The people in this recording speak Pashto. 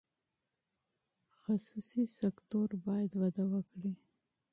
خصوصي سکتور باید وده وکړي.